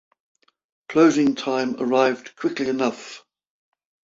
Closing time arrived quickly enough.